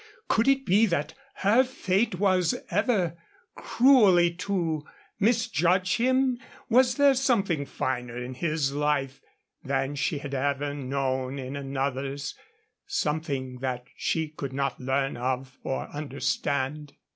Could it be that her fate was ever cruelly to misjudge him? Was there something finer in his life than she had ever known in another's something that she could not learn of or understand?